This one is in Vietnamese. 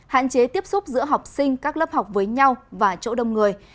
hạn chế tiếp xúc giữa học sinh các lớp học với nhau và chỗ đông người